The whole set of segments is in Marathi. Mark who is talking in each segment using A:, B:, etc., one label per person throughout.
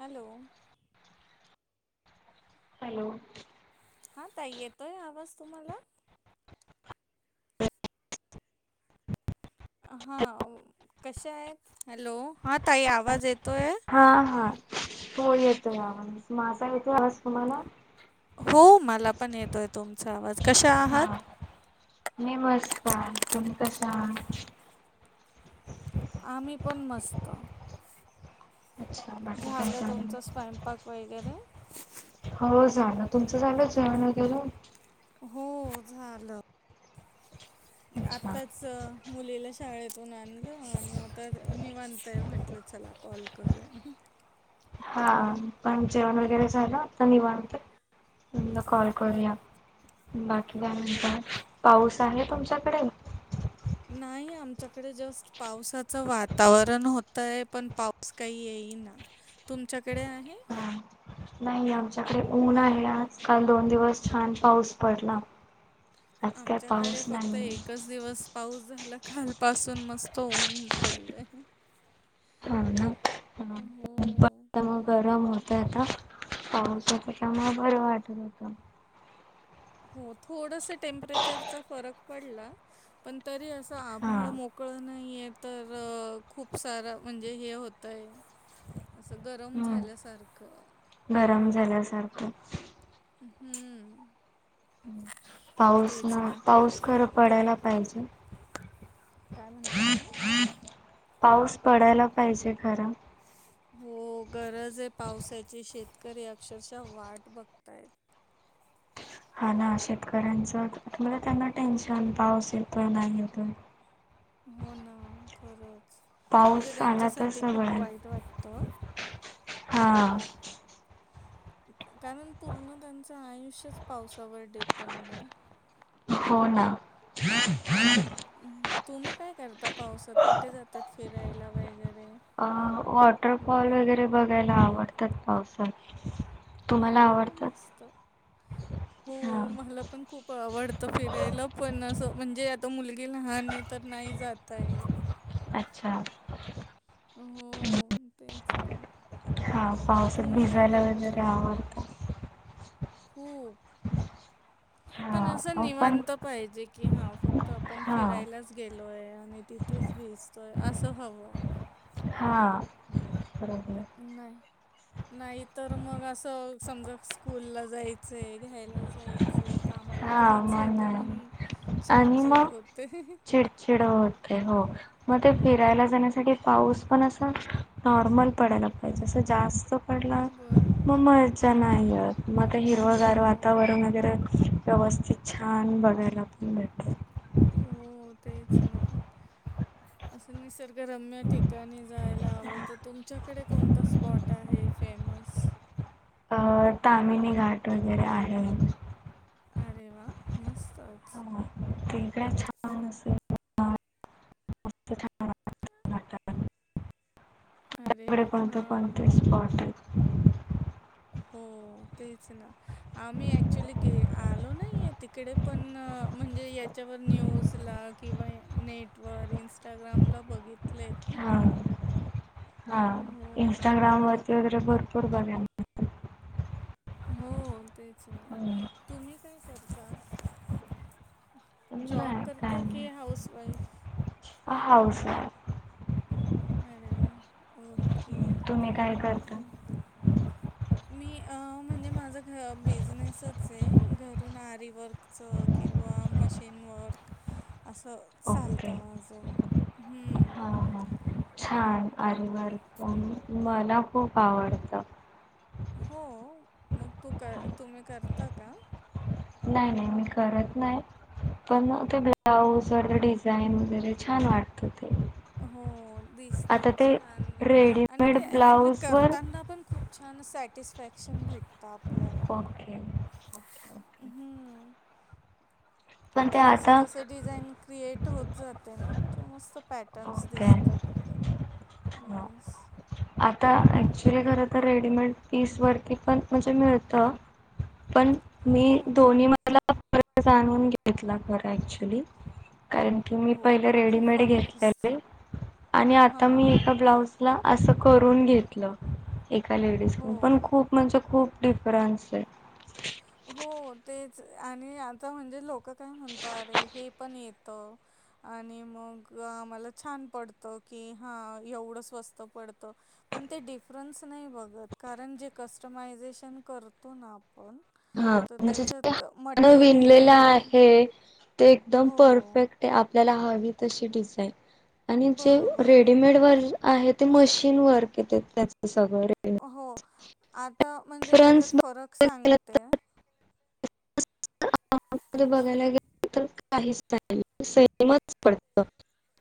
A: हॅलो.
B: हॅलो.
A: हा ताई येतोय आवाज तुम्हाला हा कश आहेत हॅलो हा ताई आवाज येत.
B: हा हा हो येतोय आवाज माझा आवाज येतोय तुम्हाला.
A: हो मला पण येतोय तुमचा आवाज कशा आहात.
B: हा मी मस्त तुम्ही कशा आह.
A: आम्ही पण मस्त.
B: अच्छा बाकी काय झालं
A: तुमचा स्वयंपाक वगैरे
B: हो झालं. तुमचं झालं जेवण वगैरे
A: हो झालं.
B: अच्छा.
A: आताच मुलीला शाळेतून आणलं आणि आता निवांत म्हटलं चला कॉल करूया.
B: हा पण जेवण वगैरे झालं आता निवांत न कॉल करूया बाकी
A: हॅलो
B: ल्यानंतर पाऊस आहे तुमच्याकडे.
A: नाही आमच्याकडे जस्ट पावसाच वातावरण होतय पण पाऊस काही तुमच्याकडे आहे.
B: नाही आमच्याकडे ऊन आहे आजकाल दोन दिवस छान पाऊस पडला. आज काय
A: आमच्याकडे
B: पाऊस
A: फक्त
B: नाहीये.
A: एकच दिवस पाऊस झाला. घालपासून मस्त ऊन पडलय
B: हा मग गरम होतय आता पावसा म बरं वाटत होत.
A: हो थोडस टेम्परेचरचा फरक पडला पण तरी अस
B: हां.
A: आभाळ मोकळ नाहीय. तर खूप सारा म्हणजे हे होतंय. असं गरम
B: हम्म
A: झाल्यासारखं.
B: गरम झाल्यासारखं.
A: हम्म.
B: पाऊस
A: तेच
B: ना पाऊस खरं
A: मग क-
B: पडायला पाहिजे.
A: काय म्हणताय मॅम.
B: पाऊस पडायला पाहिजे खर.
A: हो गरज आहे पावसाची शेतकरी अक्षरशः वाट बघताय.
B: हा ना शेतकऱ्यांच तुम्हाला त्यांना टेन्शन पाऊस येतो नाही येतो.
A: हो ना खरंच म्हणजे
B: पाऊस आला तर
A: त्यांच्यासाठी खूप
B: सगळ्या
A: वाईट वाटतं
B: हा.
A: कारण पूर्ण त्यांचं आयुष्यच पावसावर डिपेंड आहे.
B: हो ना.
A: हम्म, तुम्ही काय करता पावसात कुठे जातात फिरायला वगैरे.
B: अ वॉटरफॉल वगैरे बघायला आवडतात पावसात. तुम्हाला
A: अरे वा
B: आवडतात?
A: मस्त. हो
B: हा
A: मला पण खूप आवडत फिरायला पण अस म्हणजे आता मुली. े लहान तर नाही जातयेत.
B: अच्छा.
A: हो तेच ना.
B: हा पावसात
A: तुम्ही काय
B: भिजायला वगैरे आवडत.
A: हो.
B: हा
A: पण असं
B: अ पण
A: निवांत पाहिजे की हा फक्त आपण
B: हा
A: फिरायलाच गेलोय आणि तिथेच. तय असस ह.
B: हां.
A: नाही नाही तर मग असं समजा स्कूल ला जायचंय. घ्यायला जायचंय कामाला
B: हा
A: जायचंय तर मग
B: नाही आणि
A: चिडचिड
B: मग
A: होते.
B: चिडचिड होते हो मग ते फिरायला
A: बर
B: जाण्या पाऊस पण नॉर्मल पडायला पाहिजे असं जास्त. ड
A: बरोबर
B: मग मजा नाहीय मगता हिरवगार वाह.
A: हो.
B: वगैरे व्यवस्थित छान बघायला पण भेट.
A: हो तेच ना असं निसर्ग. गम्य ठिकाणी जायला आवडतं तुमच्याकडे कोणता स्पॉट आहे फेमस.
B: अ तामिनी घाट वगैरे आहे.
A: अरे वा मस्तच.
B: हा, तिकडे छान.
A: अरे
B: कडे कोणते
A: हां.
B: कोणते स्पॉट आहे.
A: हो तेच ना आम्ही ॲक्च्युली गे आलो नाही आहे तिकडे. पण म्हणजे याच्यावर न्यूज ला किंवा नेटवर इनस्ट. इंस्टाग्राम ला बघितले.
B: हा इंस्टाग्राम वरती वगैरे भरपूर बघ.
A: हो तेच ना तुम्ही काय करता. जॉब
B: नाही
A: करत
B: काय
A: की
B: नाही
A: हाऊसवाईफ.
B: House wife.
A: अरे वा ओ
B: हम्म. तुम्ही काय करता.
A: मी म्हणजे माझ बिझनेसच आहे घरून आरीवर्कच. किंवा मशीन वर्क. असं
B: ओके
A: चालतं माझं.
B: हां हां छान अरवरलप मला खूप आवडतं.
A: हो मग तू कर तुम्ही करता का.
B: नाही नाही मी करत नाही. पण ते ब्लाऊज व डिझाईन वगैरे छान वाटतं. ते
A: हो दिसतात
B: आता ते
A: छान आणि
B: रेडीमेड
A: ते ऍक्च्युली
B: ब्लाऊजवर
A: करताना पण खूप छान अस. सटिस्फॅक्शन भेटत आपल्याला्.
B: ओके ओके ओके पण
A: ते जस
B: आता
A: जस डिझाईन क्रिएट होत जाते ना तर मस्त. पॅटन्स
B: ओके
A: दिसतात
B: हा
A: येस.
B: आता ॲक्च्युली खरं तर रेडीमेड पीसवरती पण म्हणजे मिळतं पण
A: हो
B: मी दोन्ही मला जाणून घेतला खर ऍक्चुली कारण की मी
A: हो
B: पहिले
A: खूप
B: रेडीमेड
A: फरक
B: घेतलेले
A: असतो.
B: आणि आता
A: हां
B: मी एका
A: हां
B: ब्लाउजला असं करून घेतलं एका लेडीजकडून
A: हो
B: पण खूप म्हणजे खूप डिफरन्स आहे
A: हो ते आणि आता म्हणजे लोक काय म्हणत अरे हे पण येत आणि मग मला छान पडत की हा एवढं स्वस्त पडत पण ते डिफरन्स नाही बघत कारण जे कस्टमायझेशन करतो ना आपण
B: हा
A: तर
B: म्हजे ज
A: त्याच्यात
B: हण विणलेलं
A: मटेरियल
B: आहे ते एकदम
A: हो
B: परफेक्ट आहे आपल्याला हवी तशी डिझाईन आणि जे
A: बरोबर
B: रेडीमेड
A: आहे
B: वर आहे ते मशीन वरक येत त्याच सगळं रेडीमेड.
A: हो आता म्हणजे त्याच्यात
B: डिफरन्स
A: फरक सांगते
B: बघायला गे तर काहीच नाही सेमच पडत.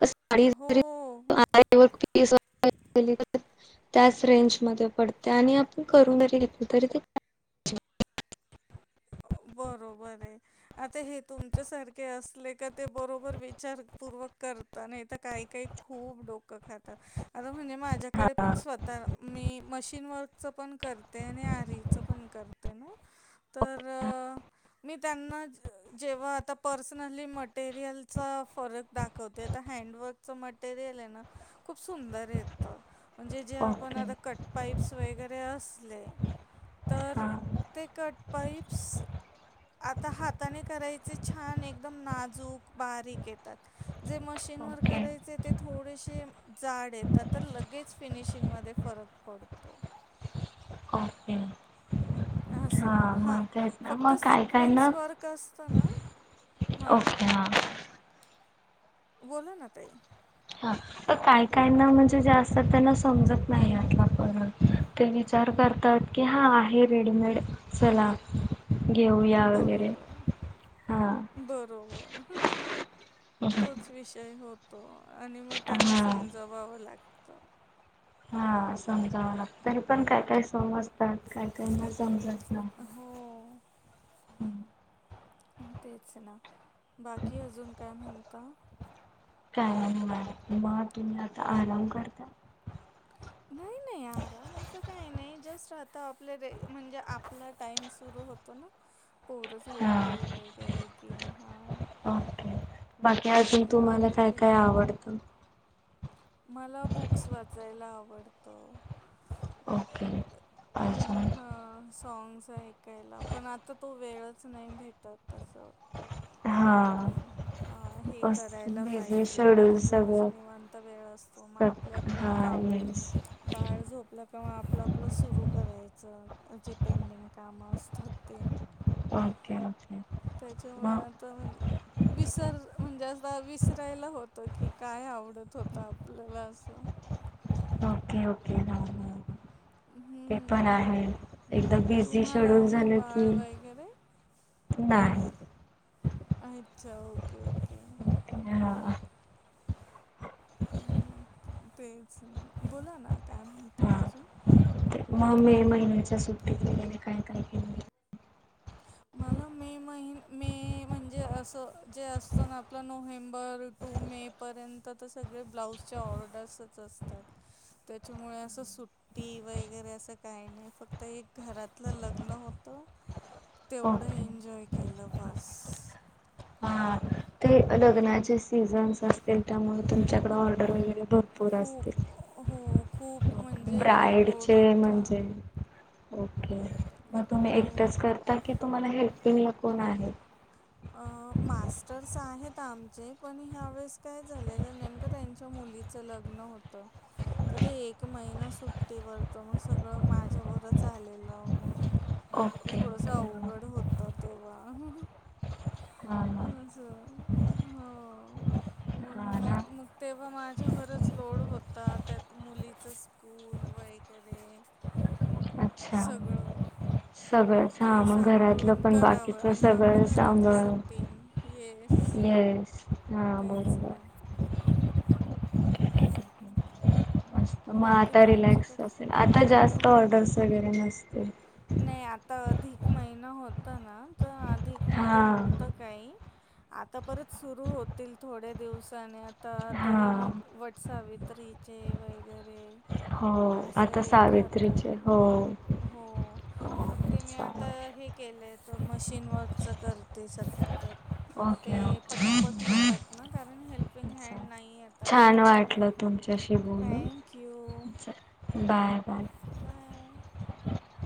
B: साडी
A: हो
B: [unintelligible] त्याच रेंज म पडते आणि आपण करून तरी घेतल तरी ते
A: बरोबर आहे आता हे तुमच्या सारखे असले का ते बरोबर विचारू. करत आणि काही काही खूप डोकं खातात आता म्हणजे माझ्याकडे पण स्वतः मी मशीन वर्क च पण करते आणि आरीच पण करते ना. तर
B: ह्ं
A: अ, मी त्यांना जेव्हा आ पर्सनली मटेरियलचा फरक दाखवते हँडवर्कच मटेरियल आहे ना खूप सुंदर येत. म्हणजे जे आपण
B: ओके
A: आता कटपाईप्स वगैरे असले. तर
B: हा
A: ते कट स [unintelligible] आता हाताने करायचे छान एकदम नाजूक बारीक येतात. जे मशीन वर
B: ओके
A: करायचे ते थोडेसे जाड येतात तर लगेच फिनिशिंग म फरक पडतो.
B: [unintelligible]
A: असं हा
B: मग तेच ना
A: फक्त
B: मग काय काय ना
A: सिक्वेन्स वर्क असत ना.
B: ओके हां.
A: बोला ना ताई
B: तर काय कायना म्हणजे जाेस्तात त्यांना समजत नाही आला पण. ते विचार करतात की हा आहे रेडीमेड चला. घऊया वगैरे.
A: बरोबर
B: हा
A: बरोबर
B: हा
A: तोच विषय होत. आणि मग त्यांना समजवावं लागत.
B: हा समजाव ना तर पण काय काय समज [unintelligible] काय काय त्यांना समजत नाही
A: हो तेच ना बाकी अजून काय म्हणता?
B: का नाही म तुमही आता आराम करता?
A: नाही नाही आराम असं काही नाही जस्ट आता आप म्हणजे आपला टाइम सुरू होतो ना. पोर
B: हा
A: झोपले वगैरे की हा.
B: ओके बाकी अजून तुम्हाला काय काय आवडतं?
A: मला बुक्स वाचायला आवडत.
B: ओके पा
A: सॉग्स ऐकायला पण आता तो वेळच नाही भेटत तसं.
B: हा
A: [unintelligible] ते
B: बस
A: करायला
B: बिझी
A: पाहिजे
B: शेड्यूल
A: म्हणजे जो अस
B: सगळं.
A: निवांत वेळ असतो मग
B: सग
A: आपले आपले
B: हा
A: काम.
B: येस
A: बाळ झोपल. कंवा आपलं आपलं सुरू करायचं जे पेंडिंग काम असतात ते.
B: ओके ओके
A: त्याच्यामुळे
B: मग
A: आता म्हणजे विसर जास्त विसरायला होत कि काय आवडत होत आपल्याला असं.
B: ओके ओके ह हं पेपर
A: हम्म.
B: आहे एकदम बिझी
A: तुम्हाला
B: शेडून
A: आहे
B: झालं
A: बाळ
B: की
A: वगैरे?
B: नाही
A: अच्छा ओके ओके
B: हां
A: हम् तेच ना बोला ना काय म्हणतय
B: हा
A: अजून.
B: मग मे महिन्याच्या सुट्टीत गेले काय काय केलं.
A: मला मे म मे म्हणजे अस जे असत ना आपला नोव्हेंबर टू मे पर्यंत तर सगळे ब्लाउजच्या ऑर्डर्सच असतात. त्याच्यामुळे असं सुट्टी वगैरे असं काही नाही फक्त एक घरातलं लग्न होत [inaudible] तेवढं
B: ओके
A: एन्जॉय केलं बस
B: हा ते लग्नाचे सीझनस असतील त्यामुळे तुमच्याकडे ऑर्डर भरपूर
A: खूप
B: असतील
A: हो
B: [inaudible]
A: खूप म्हणजे खूप लोड
B: ब्राईडचे
A: होता
B: म्हणजेओके [inaudible] मग तुम्ही
A: हो
B: एकटंच करता की तुम्हाला हेल्पिंग कोण आहे [inaudible]
A: अ मास्टर्स आहेत आमचे पण ह्या वेळेस काय झालेलं नेमक त्यांच्या मु मुलीच लग्न होत [inaudible] तर ते एक महिना सुट्टीवरत मग सगळं माझ्यावरच आलेलं मग [inaudible] ते
B: ओके
A: थोडस
B: ओके हां
A: अवघड होत तेव्हा
B: [inaudible] हम
A: [inaudible] अच हो मग
B: हां हां ना
A: मग तेव्हा माझ्यावररच लोड होता त्यात मुलीच स्कूल वे [inaudible]
B: अच्छा
A: सगळं
B: सगळंच हा
A: ते
B: मग घरातलं
A: सांभाळून
B: पण
A: करावं
B: बाकीच
A: आणि आपलं
B: सगळं
A: घरातलं
B: सांभाळ
A: रुटीन येस
B: येस हा
A: तेच ना
B: बरोबर ठीक आहे ठीक आहे. मग
A: बाकी
B: आता रिलॅक्स
A: तुमच्याकडे
B: असेल आता जास्त
A: हो
B: ऑर्डर्स वगैरे नसतील
A: नाही आता अधिक महिना होत ना तर अधिक म
B: हां
A: नव्हतं काही [inaudible] आता परत सुरु होतील थोड्या दिवसाने आता तरी
B: हां
A: मग वटसावी [inaudible] कत्रीचे वगैरे
B: हो
A: असं
B: आता
A: येत राहतं
B: सावित्रीचे हो
A: हो
B: [inaudible]
A: [inaudible] मग ते मी आता
B: चालेल
A: हे केलंय मशीन वर्कच करते सध्या त्या [inaudible] ते
B: ओके ओके
A: पटापट होतात ना कारण हेल्पिंग
B: अच्छा
A: हड नाही आता
B: छान
A: असं
B: वाटलं तुमच्याशी बोलून
A: थँक्यू
B: च [inaudible] बाय बाय
A: बय [inaudible]